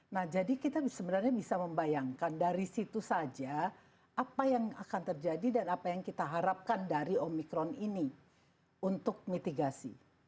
nah jadi kita sebenarnya bisa membayangkan dari situ saja apa yang akan terjadi dan apa yang kita harapkan dari omikron ini untuk mitigasi